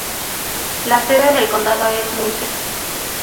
La sede del condado es Muncie.